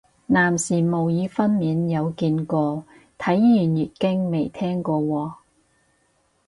男士模擬分娩有見過，體驗月經未聽過喎